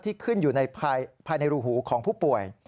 ที่ขึ้นอยู่ภายในรูหูของผู้ป่วย